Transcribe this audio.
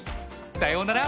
さようなら。